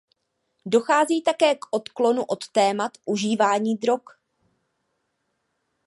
Dochází také k odklonu od tématu užívání drog.